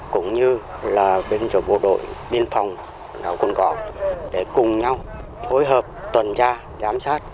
cũng như là bên chủ bộ đội biên phòng đảo cồn cỏ để cùng nhau hối hợp tuần tra giám sát